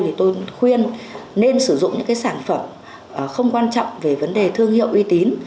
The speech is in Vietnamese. thì tôi khuyên nên sử dụng những cái sản phẩm không quan trọng về vấn đề thương hiệu uy tín